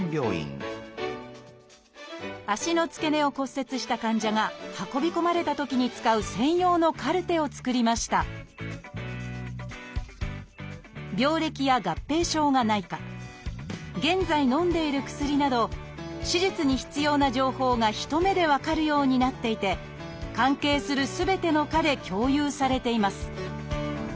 足の付け根を骨折した患者が運び込まれたときに使う専用のカルテを作りました病歴や合併症がないか現在のんでいる薬など手術に必要な情報が一目で分かるようになっていて関係するすべての科で共有されています。